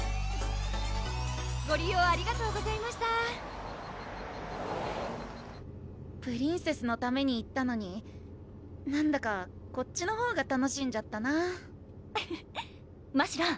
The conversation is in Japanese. ご利用ありがとうございましたプリンセスのために行ったのになんだかこっちのほうが楽しんじゃったなぁフフましろん